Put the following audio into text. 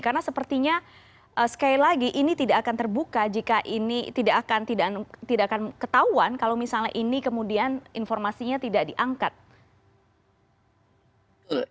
karena sepertinya sekali lagi ini tidak akan terbuka jika ini tidak akan ketahuan kalau misalnya ini kemudian informasinya tidak diangkat